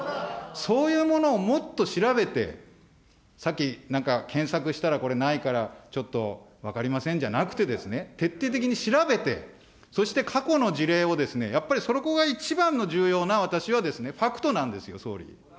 そういうものをもっと調べて、さっき、なんか、検索したらこれ、ないからちょっと分かりませんじゃなくてですね、徹底的に調べて、そして、過去の事例を、やっぱりそこが一番の重要な、私はファクトなんですよ、総理。